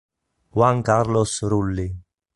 Juan Carlos Rulli